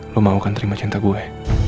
lo mau kan terima cinta gue